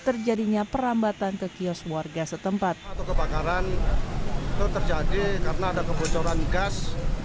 terjadinya perambatan ke kios warga setempat atau kebakaran itu terjadi karena ada kebocoran gas